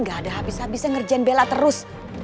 nggak ada habis habisnya ngerjain bella terus